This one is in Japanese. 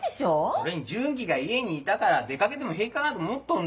それに順基が家にいたから出かけても平気かなと思ったんだよ。